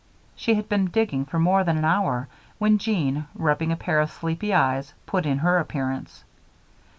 She had been digging for more than an hour when Jean, rubbing a pair of sleepy eyes, put in her appearance.